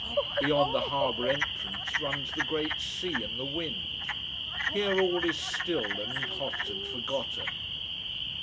Beyond the harbour entrance runs the great sea and the wind. Here all is still and hot and forgotten.